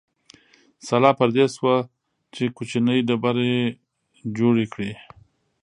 سلا پر دې شوه چې کوچنۍ ډبرې جوړې کړو.